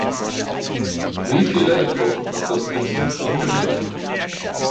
Wie viele Epochen hat das Netz nun schon trainiert?